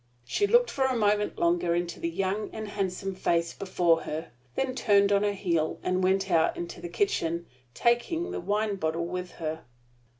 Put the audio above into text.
She looked for a moment longer into the young and handsome face before her; then turned on her heel, and went out into the kitchen, taking the wine bottle with her.